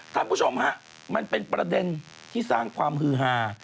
ท่านผู้ชมฮะมันเป็นประเด็นที่สร้างความฮือฮา